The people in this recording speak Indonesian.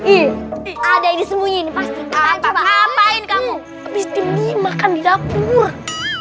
iya ada disembuhkan apa ngapain kamu ruch demi makan di dapur